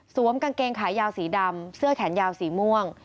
กางเกงขายาวสีดำเสื้อแขนยาวสีม่วง